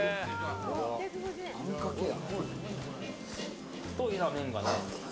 あんかけや。